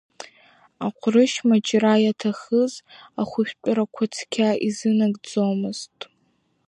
Аҟәрышь маҷра иаҭахыз ахәышәтәрақәа цқьа изынагӡомызт.